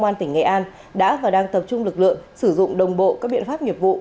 nghệ an đã và đang tập trung lực lượng sử dụng đồng bộ các biện pháp nhiệm vụ